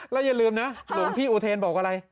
แล้วอย่าลืมนะหลวงพี่อุเทนบอกอะไร